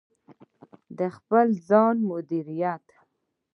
د خپل ځان مدیریت: